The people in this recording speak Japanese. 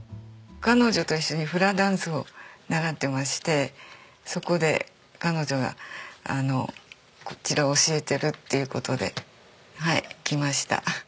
彼女と一緒にフラダンスを習ってましてそこで彼女がこちらを教えてるっていう事ではい来ました。